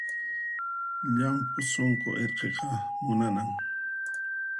Llampu sunqu irqiqa munanan